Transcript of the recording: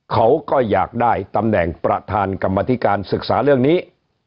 เขาก็อยากได้ตำแหน่งประธานกรรมธิการศึกษาเรื่องนี้